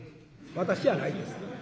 私やないです。